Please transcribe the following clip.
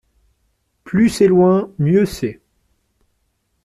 Plus c’est loin mieux c’est.